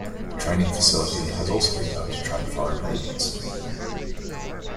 The training facility has also been known to train foreign navies.